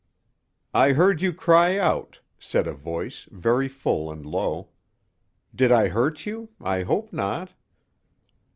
"I heard you cry out," said a voice, very full and low. "Did I hurt you? I hope not."